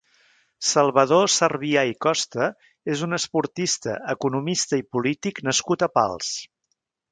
Salvador Servià i Costa és un esportista, economista i polític nascut a Pals.